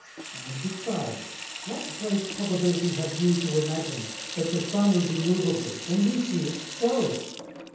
And besides, what great Probability have you to imagine, that the Sun is immoveable, when we see it go?